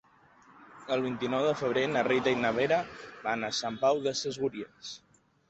El vint-i-nou de febrer na Rita i na Vera van a Sant Pau de Segúries.